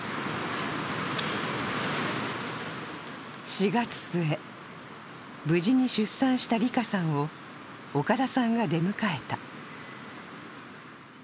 ４月末、無事に出産したりかさんを岡田さんが出迎えた。